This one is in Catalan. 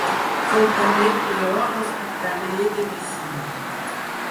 Fou també prior hospitaler de Messina.